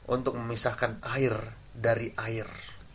untuk memisahkan air dari air